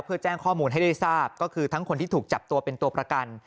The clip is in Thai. เพื่อแจ้งข้อมูลให้ได้ทราบก็คือทั้งคนที่ถูกจับตัวเป็นตัวประกัน